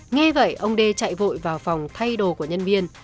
nghe vậy ông đê chạy vội vào phòng thay đồ của nhân viên